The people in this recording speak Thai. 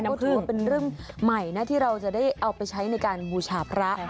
น้ำผึ้งนะเป็นเรื่องใหม่ที่จะได้เอาไปใช้ในการหูฉาประ